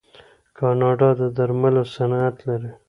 کاناډا د درملو صنعت لري.